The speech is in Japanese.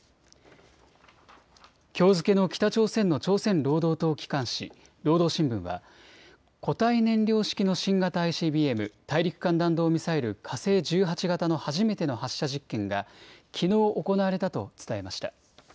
きょう付けの北朝鮮の朝鮮労働党機関紙、労働新聞は固体燃料式の新型ＩＣＢＭ・大陸間弾道ミサイル、火星１８型の初めての発射実験がきのう行われたと伝えました。